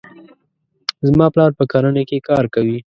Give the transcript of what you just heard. زما پلار په کرنې کې کار کوي.